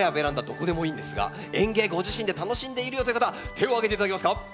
どこでもいんですが園芸ご自身で楽しんでいるよという方手を挙げて頂けますか？